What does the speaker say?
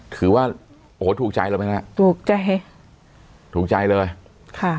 ถือว่าโหถูกใจหรือไม่นะถูกใจถูกใจเลยค่ะ